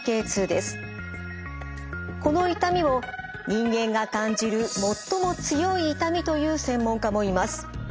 この痛みを人間が感じる最も強い痛みと言う専門家もいます。